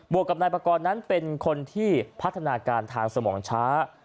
วกกับนายปากรนั้นเป็นคนที่พัฒนาการทางสมองช้า